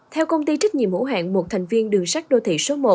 theo công ty trách nhiệm hữu hạn một thành viên đường sắt đô thị số một